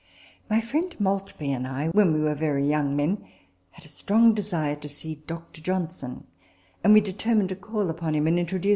My friend Maltbyf and I, when we were very young men, had a strong desire to see Dr. Johnson ; and we determined to call upon him and introduce * The Right Honourable T.